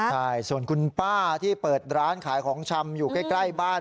ใช่ส่วนคุณป้าที่เปิดร้านขายของชำอยู่ใกล้บ้าน